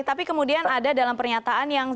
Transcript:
tapi kemudian ada dalam pernyataan yang